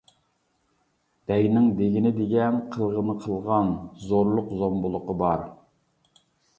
بەگنىڭ دېگىنى دېگەن، قىلغىنى قىلغان، زورلۇق-زومبۇلۇقى بار.